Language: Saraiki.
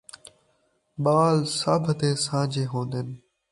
ٻال سبھ دے سانجھے ہوندن